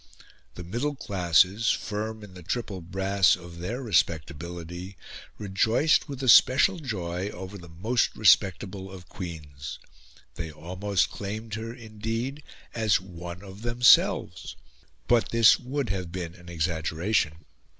The middle classes, firm in the triple brass of their respectability, rejoiced with a special joy over the most respectable of Queens. They almost claimed her, indeed, as one of themselves; but this would have been an exaggeration.